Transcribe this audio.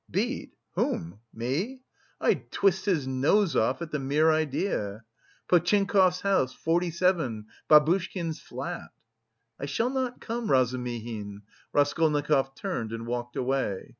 "Beat? Whom? Me? I'd twist his nose off at the mere idea! Potchinkov's house, 47, Babushkin's flat...." "I shall not come, Razumihin." Raskolnikov turned and walked away.